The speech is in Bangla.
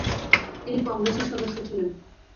তিনি কংগ্রেসের সদস্য ছিলেন।